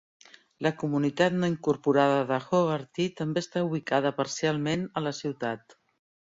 La comunitat no incorporada de Hogarty també està ubicada parcialment a la ciutat.